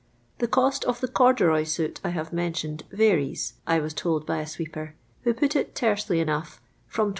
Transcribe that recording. The cost of the corduroy suit I have mentioned varies, I was told by a sweeper, who put it tersely enough, *' from 205.